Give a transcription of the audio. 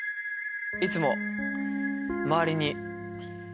「いつも周りに」。